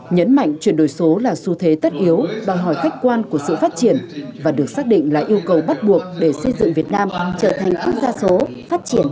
nhấn mạnh chuyển đổi số là xu thế tất yếu bằng hỏi khách quan của sự phát triển và được xác định là yêu cầu bắt buộc để xây dựng việt nam trở thành quốc gia số phát triển